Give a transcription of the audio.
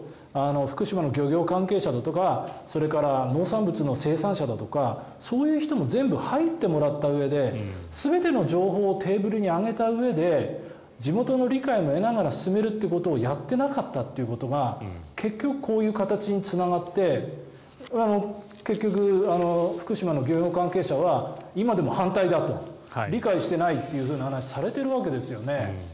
福島の漁業関係者だとかそれから農産物の生産者だとかそういう人も全部入ってもらったうえで全ての情報をテーブルに上げたうえで地元の理解を得ながら進めることをやっていなかったということは結局、こういう形につながって結局、福島の漁業関係者は今でも反対だと理解してないっていうふうな話をされているわけですよね。